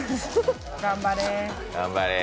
頑張れ。